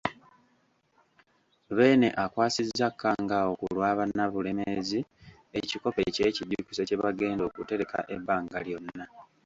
Beene akwasizza Kangaawo ku lwa Bannabulemeezi ekikopo ekyekijjukizo kye bagenda okutereka ebbanga lyonna.